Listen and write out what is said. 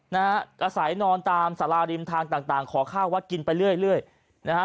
นะฮะอาศัยนอนตามสาราริมทางต่างต่างขอข้าววัดกินไปเรื่อยเรื่อยนะฮะ